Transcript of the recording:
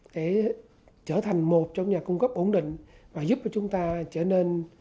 để trở thành một trong nhà cung cấp ổn định và giúp cho chúng ta trở nên